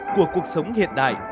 của cuộc sống hiện đại